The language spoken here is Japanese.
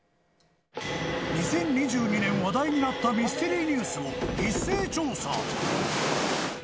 ２０２２年話題になったミステリーニュースを一斉調査。